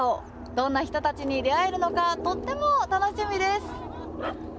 どんな人たちに出会えるのかとっても楽しみです！